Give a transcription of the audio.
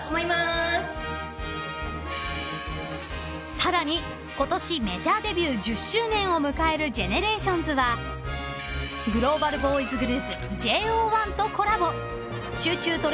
［さらにことしメジャーデビュー１０周年を迎えるＧＥＮＥＲＡＴＩＯＮＳはグローバルボーイズグループＪＯ１とコラボ］